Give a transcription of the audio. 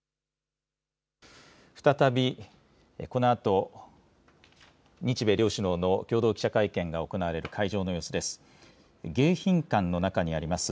再び、このあと、日米両首脳の共同記者会見が行われる会場の様子です。